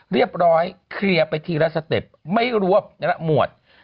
เรียบร้อยเคลียร์ไปทีละสเต็ปไม่รวบหมวด